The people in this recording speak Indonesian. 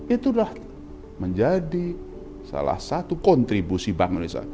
itulah menjadi salah satu kontribusi bank indonesia